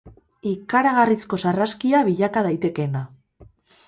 Ikaragarrizko sarraskia bilaka daitekeena.